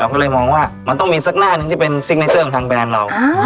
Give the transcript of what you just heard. ก็เลยมองว่ามันต้องมีสักหน้าหนึ่งที่เป็นซิกเนเจอร์ของทางแบรนด์เรา